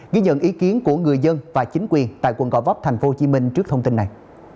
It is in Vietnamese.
ghi nhận ý kiến của người dân và chính quyền tại quận gò vấp tp hcm trước thông tin này